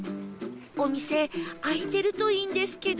お店開いてるといいんですけど